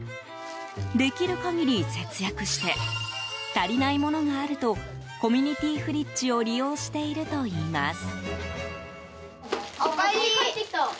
できる限り節約して足りないものがあるとコミュニティフリッジを利用しているといいます。